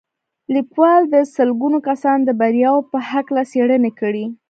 لیکوال د سلګونه کسانو د بریاوو په هکله څېړنې کړي